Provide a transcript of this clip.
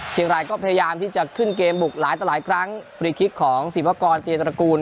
เชียงรายก็พยายามที่จะขึ้นเกมบุกหลายต่อหลายครั้งฟรีคลิกของศิวากรเตียตระกูล